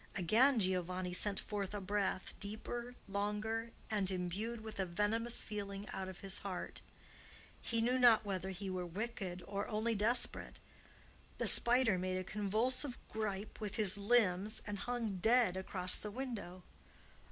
Again Giovanni sent forth a breath, deeper, longer, and imbued with a venomous feeling out of his heart: he knew not whether he were wicked, or only desperate. The spider made a convulsive gripe with his limbs and hung dead across the window.